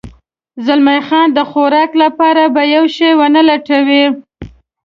زلمی خان د خوراک لپاره به یو شی و نه لټوې؟